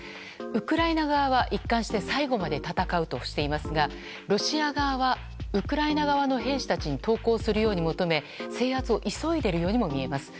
ウクライナ側は一貫して最後まで戦うとしていますがロシア側はウクライナ側の兵士たちに投降するように求め制圧を急いでいるようにも見えます。